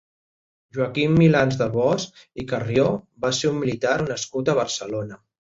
Joaquim Milans del Bosch i Carrió va ser un militar nascut a Barcelona.